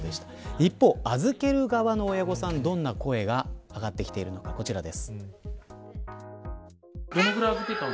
一方、預ける側の親御さんどんな声が上がってきているのかこちらです。